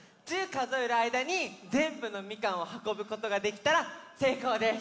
かぞえるあいだにぜんぶのみかんをはこぶことができたらせいこうです。